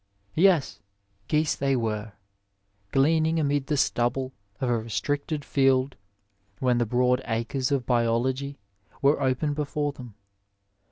Yes, geese they weie, gleaning amid the stubble of a restricted field, when the broad acres of biology were open before them.